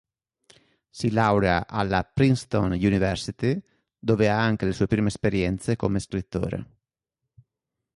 Si laurea alla Princeton University, dove ha anche le sue prime esperienze come scrittore.